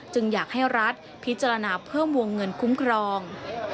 อยากให้รัฐพิจารณาเพิ่มวงเงินคุ้มครอง